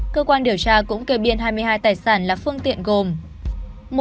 cơ quan điều tra cũng kê biên hai mươi hai tài sản là phương tiện gồm